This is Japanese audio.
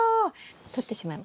とってしまいますね。